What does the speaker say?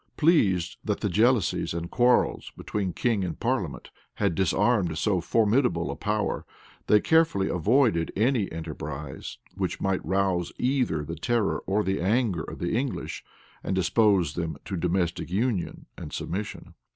Pleased that the jealousies and quarrels, between king and parliament had disarmed so formidable a power, they carefully avoided any enterprise which might rouse either the terror or anger of the English, and dispose them to domestic union and submission.